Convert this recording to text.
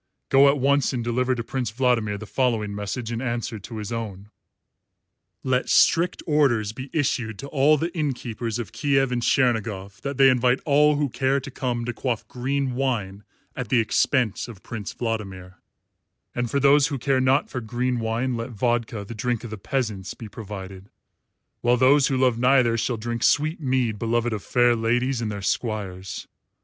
Go at once and deliver to Prince Vladimir the following message in answer to his own: "Let strict orders be issued to all the inn keepers of Kiev and Chernigof that they invite all who care to come to quaff green wine at the expense of Prince Vladimir; and for those who care not for green wine let vodka, the drink of the peasants, be provided; while those who love neither shall drink sweet mead beloved of fair ladies and their squires.